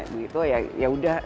begitu ya ya udah